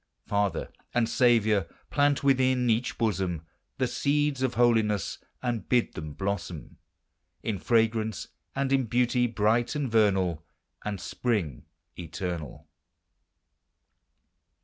Father and Saviour! plant within each bosom The seeds of holiness, and bid them blossom In fragrance and in beauty bright and vernal, And spring eternal.